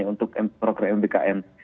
untuk program mbkm